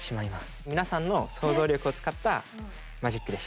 皆さんの想像力を使ったマジックでした。